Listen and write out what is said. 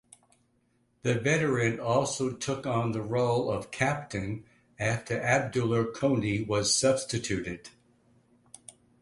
The veteran also took on the role of captain after Abdulla Koni was substituted.